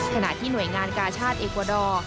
ขณะที่หน่วยงานกาชาติเอกวาดอร์